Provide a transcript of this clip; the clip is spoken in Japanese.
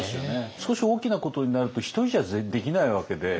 少し大きなことになると一人じゃできないわけで。